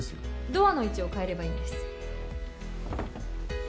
ドアの位置を変えればいいんです。